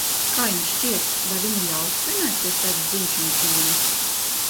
Kā jums šķiet, vai viņa ļautu svinēt pie sevis dzimšanas dienu?